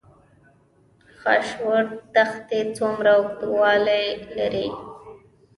خاشرود دښتې څومره اوږدوالی لري؟